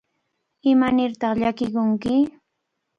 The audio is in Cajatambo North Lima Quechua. ¿Imanirtaq llakikunki?